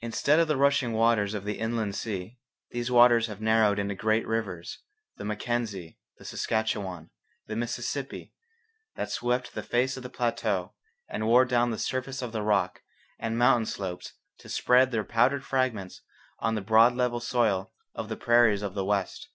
Instead of the rushing waters of the inland sea, these waters have narrowed into great rivers the Mackenzie, the Saskatchewan, the Mississippi that swept the face of the plateau and wore down the surface of the rock and mountain slopes to spread their powdered fragments on the broad level soil of the prairies of the west.